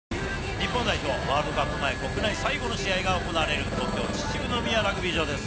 日本代表、ワールドカップ前、国内最後の試合が行われる東京・秩父宮ラグビー場です。